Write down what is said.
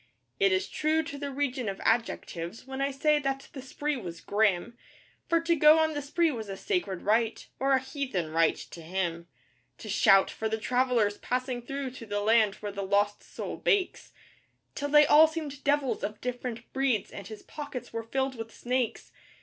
It is true to the region of adjectives when I say that the spree was 'grim,' For to go on the spree was a sacred rite, or a heathen rite, to him, To shout for the travellers passing through to the land where the lost soul bakes Till they all seemed devils of different breeds, and his pockets were filled with snakes.